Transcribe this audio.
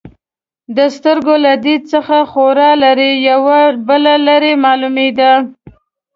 د سترګو له دید څخه خورا لرې، یوه بله لړۍ معلومېده.